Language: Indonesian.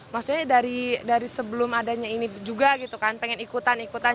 maksudnya dari sebelum adanya ini juga pengen ikutan ikutan